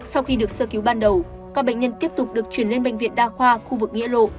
sau khi được sơ cứu ban đầu các bệnh nhân tiếp tục được chuyển lên bệnh viện đa khoa khu vực nghĩa lộ